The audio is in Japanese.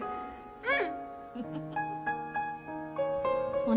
うん。